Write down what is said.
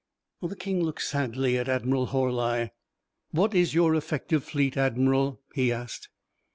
The King looked sadly at Admiral Horli. "What is your effective fleet, Admiral?" he asked.